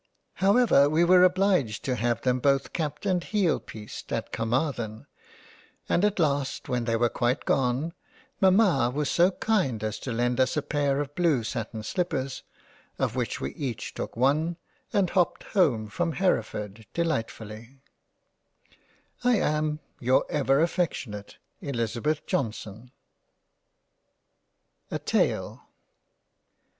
However we were obliged to have them both capped and heelpeiced at Carmarthen, and at last when they were quite gone, Mama was so kind as to lend us a pair of blue Sattin Slippers, of which we each took one and hopped home from Hereford delightfully I am your ever affectionate Elizabeth Johnson. i 3 8 £ SCRAPS { A TALE.